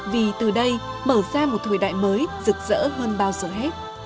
vì từ đây mở ra một thời đại mới rực rỡ hơn bao giờ hết